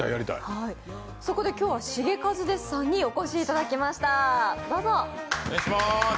そこで今日はシゲカズですさんにお越しいただきました。